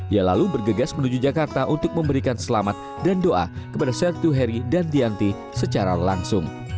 ia lalu bergegas menuju jakarta untuk memberikan selamat dan doa kepada sertu heri dan dianti secara langsung